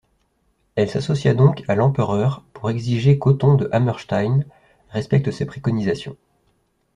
Elle s'associa donc à l'empereur pour exiger qu'Otton de Hammerstein respecte ses préconisations.